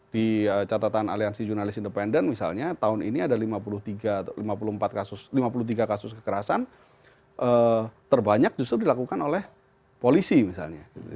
di catatan aliansi jurnalis independen misalnya tahun ini ada lima puluh tiga kasus kekerasan terbanyak justru dilakukan oleh polisi misalnya